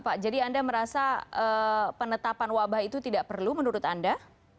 pak jadi anda merasa penetapan wabah itu tidak perlu menurut anda